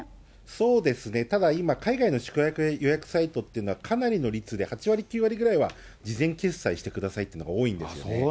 そうですね、ただ今、海外の宿泊予約サイトっていうのは、かなりの率で８割、９割くらいは事前決済してくださいっていうのが、多いんですよね。